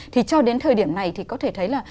thì cho đến thời điểm này thì có thể thấy là